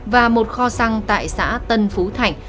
và một kho xăng tại xã tân phú thạnh